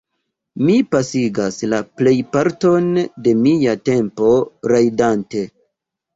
Mi pasigas la plejparton de mia tempo rajdante.